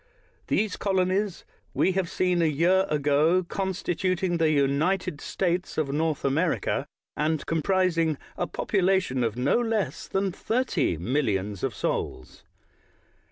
These colonies we have seen a year ago constituting the United States of North America, and comprising a population of no less than thirtj' millions of souls.